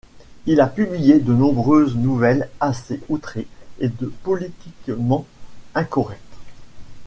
Il a publié de nombreuses nouvelles assez outrées et politiquement incorrectes.